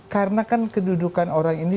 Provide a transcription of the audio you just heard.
karena kan kedudukan orang ini